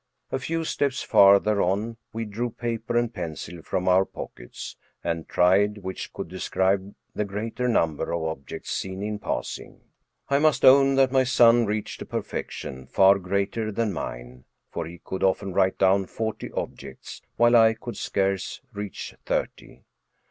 A few steps farther on we drew paper and pencil from our pockets, and tried which could describe the greater num ber of objects seen in passing. I must own that my son reached a perfection far greater than mine, for he could often write down forty objects, while I could scarce reach thirty.